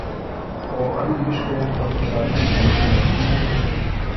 او ائ ييشکئ م ته خؤشالي شمېر کېون“